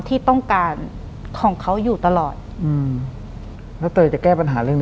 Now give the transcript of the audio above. หลังจากนั้นเราไม่ได้คุยกันนะคะเดินเข้าบ้านอืม